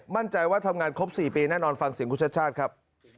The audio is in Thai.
มั่นใจว่าทำงานครบ๔ปีแน่นอนฟังเสียงคุณชาติชาติครับ